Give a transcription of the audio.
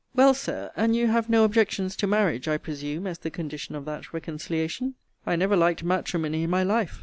Well, Sir, and you have no objections to marriage, I presume, as the condition of that reconciliation? I never liked matrimony in my life.